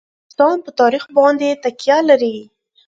افغانستان په تاریخ باندې تکیه لري.